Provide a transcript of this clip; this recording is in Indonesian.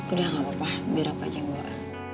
udah gak apa apa biar abah aja yang bawa